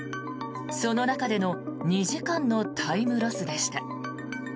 その中での２時間のタイムロスでした。